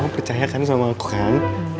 kamu percaya kan sama aku kan